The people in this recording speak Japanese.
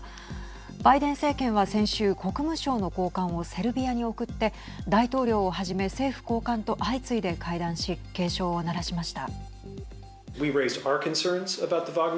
バイデン政権は先週、国務省の高官をセルビアに送って大統領をはじめ、政府高官と相次いで会談し警鐘を鳴らしました。